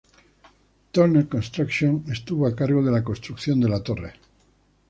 Turner Construction estuvo a cargo de la construcción de la torre.